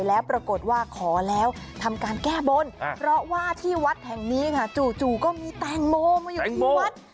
แล้วปรากฏว่าขอแล้วทำการแก้บนเพราะว่าที่วัดแห่งนี้ค่ะจู่ก็มีแตงโมมาอยู่ที่วัด